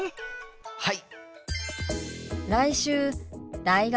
はい！